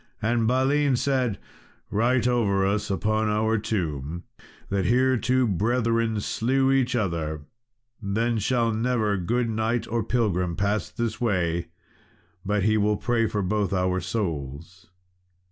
And Balin said, "Write over us upon our tomb, that here two brethren slew each other; then shall never good knight or pilgrim pass this way but he will pray for both our souls."